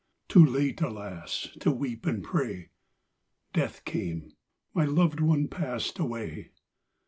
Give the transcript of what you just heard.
Too late, alas! to weep and pray, Death came; my loved one passed away.